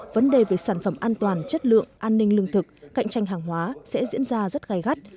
vấn đề về sản phẩm an toàn chất lượng an ninh lương thực cạnh tranh hàng hóa sẽ diễn ra rất gai gắt